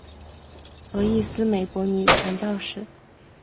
何义思美国女传教士。